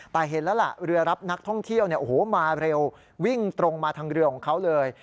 แต่เห็นแล้วล่ะเรือรับนักท่องเที่ยวมาเร็ววิ่งตรงมาทางเรือของเขาเลย